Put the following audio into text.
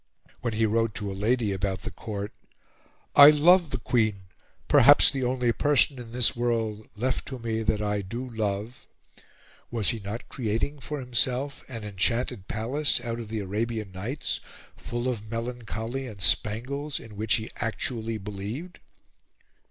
When he wrote to a lady about the Court, "I love the Queen perhaps the only person in this world left to me that I do love," was he not creating for himself an enchanted palace out of the Arabian Nights, full of melancholy and spangles, in which he actually believed?